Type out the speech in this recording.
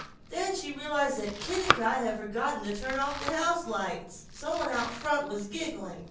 Then she realized that Kennicott had forgotten to turn off the houselights. Some one out front was giggling.